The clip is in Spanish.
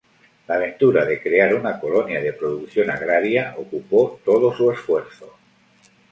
La aventura de crear una colonia de producción agraria ocupó todo su esfuerzo.